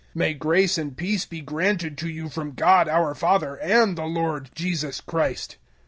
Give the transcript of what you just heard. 001:003 May grace and peace be granted to you from God our Father and the Lord Jesus Christ.